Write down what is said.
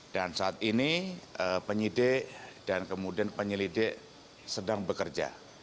dan saat ini penyidik dan kemudian penyelidik sedang bekerja